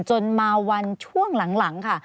จนมาวันช่วงหลังค่ะ